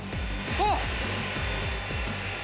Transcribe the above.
あっ！